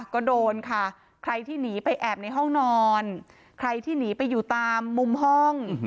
ก็โดนค่ะใครที่หนีไปแอบในห้องนอนใครที่หนีไปอยู่ตามมุมห้อง